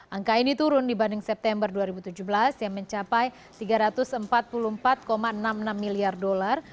angka ini turun dibanding september dua ribu tujuh belas yang mencapai tiga ratus empat puluh empat enam puluh enam miliar dolar